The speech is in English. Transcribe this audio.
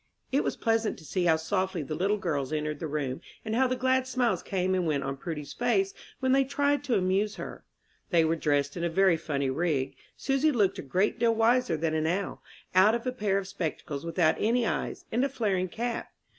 It was pleasant to see how softly the little girls entered the room, and how the glad smiles came and went on Prudy's face when they tried to amuse her. They were dressed in a very funny rig. Susy looked a great deal wiser than an owl, out of a pair of spectacles without any eyes, and a flaring cap.